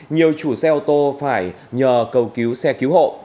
nhiều chủ xe ô tô phải nhờ cầu cứu xe cứu hộ